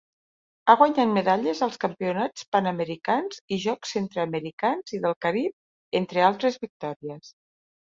Ha guanyat medalles als Campionats Panamericans i Jocs Centreamericans i del Carib entre altres victòries.